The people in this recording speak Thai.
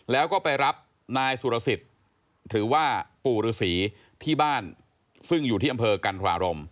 แล้วก็ไปรับนายสุรสิทธิ์หรือว่าปู่ฤษีที่บ้านซึ่งอยู่ที่อำเภอกันธรารม